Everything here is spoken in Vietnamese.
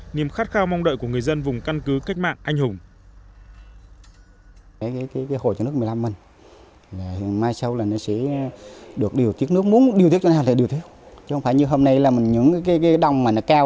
niềm khát khao mong đợi của người dân vùng căn cứ cách mạng anh hùng